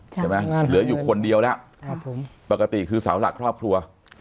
ใช่ไหมเหลืออยู่คนเดียวแล้ว